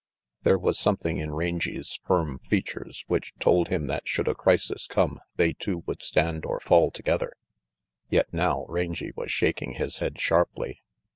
There was something in Rangy's firm features which told him that should a ciisis come they two would stand or fall together; yet now Rangy was shaking his head sharply.